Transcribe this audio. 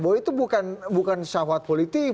bahwa itu bukan syafat politik